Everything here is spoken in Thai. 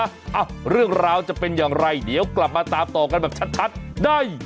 เอ้าเรื่องราวจะเป็นอย่างไรเดี๋ยวกลับมาตามต่อกันแบบชัดได้